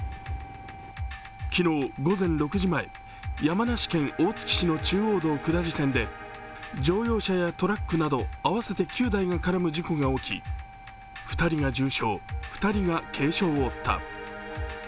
昨日、午前６時前、山梨県大月市の中央道下り線で乗用車やトラックなど合わせて９台が絡む事故が起き、２人が重傷、２人が軽傷を負った。